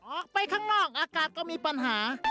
ออกไปข้างนอกอากาศก็มีปัญหา